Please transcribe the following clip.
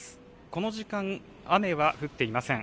この時間、雨は降っていません。